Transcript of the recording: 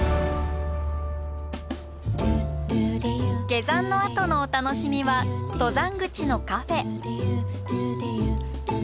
下山のあとのお楽しみは登山口のカフェ。